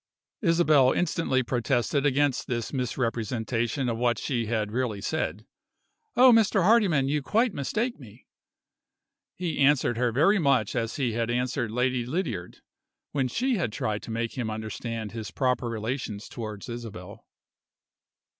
Isabel instantly protested against this misrepresentation of what she had really said, "Oh, Mr. Hardyman, you quite mistake me!" He answered her very much as he had answered Lady Lydiard, when she had tried to make him understand his proper relations towards Isabel.